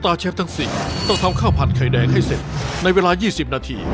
สตาวเชฟทั้งสี่ต้องทั้ง๙๑ครับ